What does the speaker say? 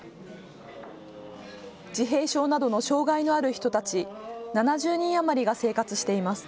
自閉症などの障害のある人たち７０人余りが生活しています。